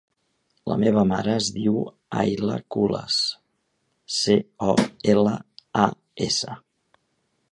La meva mare es diu Ayla Colas: ce, o, ela, a, essa.